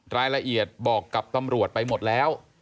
รายละเอียดบอกกับตำรวจไปหมดแล้ว